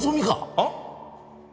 あっ？